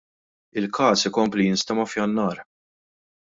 Il-każ ikompli jinstema' f'Jannar.